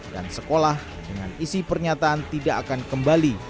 dan sekolah dengan isi pernyataan tidak akan kembali